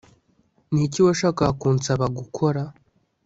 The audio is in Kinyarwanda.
Ni iki washakaga kunsaba gukora